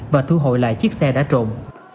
và thu hội lại chiếc xe đã trộn